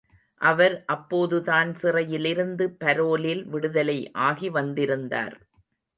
அவர் அப்போதுதான் சிறையிலிருந்து பரோலில் விடுதலை ஆகி வந்திருந்தார்.